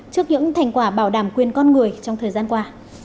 trước những thành quả bảo đảm quyền con người trong thời gian qua